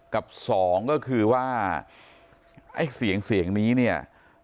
กับสองก็คือว่าไอ้เสียงเสียงนี้เนี่ย